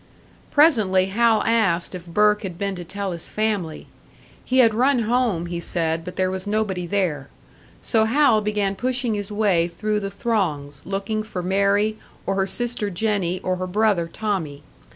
Presently Hal asked if Burke had been to tell his family. He had run home, he said, but there was nobody there. So Hal began pushing his way through the throngs, looking for Mary, or her sister Jennie, or her brother Tommie.